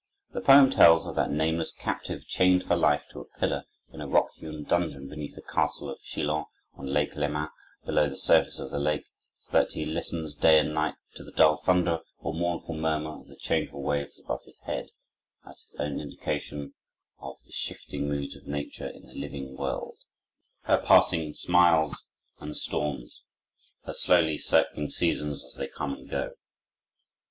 The poem tells of that nameless captive chained for life to a pillar in a rock hewn dungeon beneath the castle of Chillon, on Lake Leman, below the surface of the lake, so that he listens day and night to the dull thunder or mournful murmur of the changeful waves above his head, as his only indication of the shifting moods of Nature in the living world, her passing smiles and storms, her slowly circling seasons as they come and go.